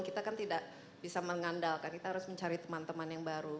kita kan tidak bisa mengandalkan kita harus mencari teman teman yang baru